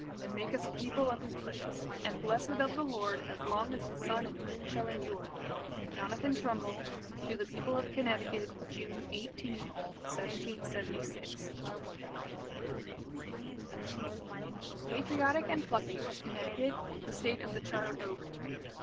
and make us a People of his praise, and blessed of the Lord, as long as the sun and the moon shall endure._ JONATHAN TRUMBULL, to the People of Connecticut, June 18, 1776 Patriotic and plucky was Connecticut, the State of the Charter Oak.